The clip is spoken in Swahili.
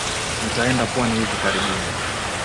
Nitaenda pwani hivi karibuni